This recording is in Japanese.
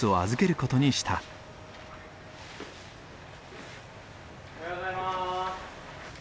おはようございます。